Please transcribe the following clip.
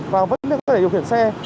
và vẫn có thể điều khiển xe